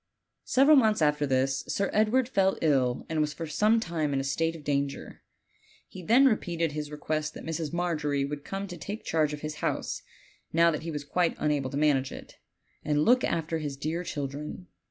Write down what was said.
Several months after this Sir Edward fell ill and was 12 OLD, OLD FAIRY TALES. for some time in a state of danger. He then repeated his request that Mrs. Margery would come to take charge of his house, now that he was quite unable to manage it, and look after his dear children.